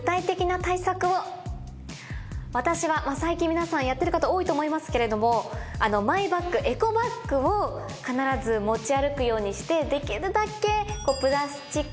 私は最近皆さんやってる方多いと思いますけれどもマイバッグエコバッグを必ず持ち歩くようにしてできるだけ。